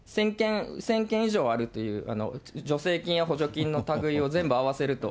１０００件以上あるという、助成金や補助金のたぐいを全部合わせると。